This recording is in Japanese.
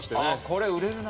これ売れるな。